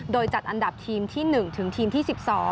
โดยจัดอันดับทีมที่๑ถึงทีมที่๑๒